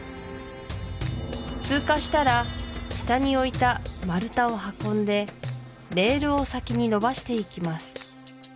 通過したら下に置いた丸太を運んでレールを先にのばしていきます